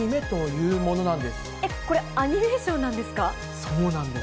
これ、アニメーションなそうなんです。